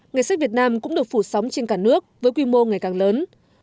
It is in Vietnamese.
ngày sách việt nam cũng được phủ sóng trên cả nước với quy mô ngày càng lớn